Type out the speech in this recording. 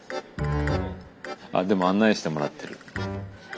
あっでも案内してもらってる。